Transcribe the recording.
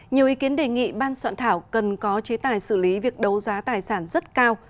nhiều ý kiến đề nghị ban soạn thảo cần có chế tài xử lý việc đấu giá tài sản rất cao